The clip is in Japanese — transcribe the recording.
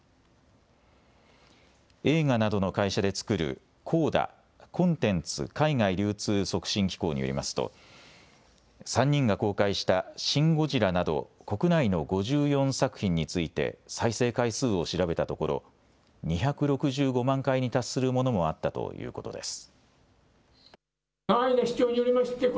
映画などの会社で作るＣＯＤＡ・コンテンツ海外流通促進機構によりますと３人が公開したシン・ゴジラなど国内の５４作品について再生回数を調べたところ２６５万回に達するものもあったということです。